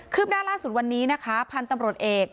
ืบหน้าล่าสุดวันนี้นะคะพันธุ์ตำรวจเอก